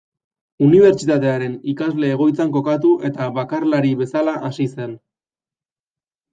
Unibertsitatearen ikasle-egoitzan kokatu eta bakarlari bezala hasi zen.